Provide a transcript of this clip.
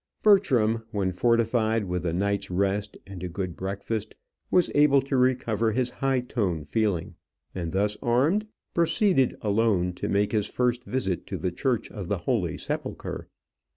Bertram, when fortified with a night's rest and a good breakfast, was able to recover his high toned feeling, and, thus armed, proceeded alone to make his first visit to the Church of the Holy Sepulchre.